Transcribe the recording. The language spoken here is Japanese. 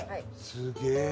すげえ！